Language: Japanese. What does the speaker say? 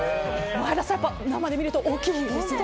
前田さん、やっぱり生で見ると大きいですね。